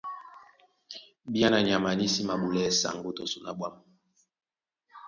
Bìáná nyama ní sí māɓolɛɛ́ sáŋgó tɔ son á ɓwǎm̀.